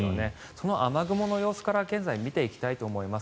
その現在の雨雲の様子から見ていきたいと思います。